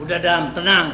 udah adam tenang